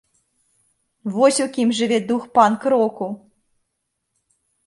Вось у кім жыве дух панк-року!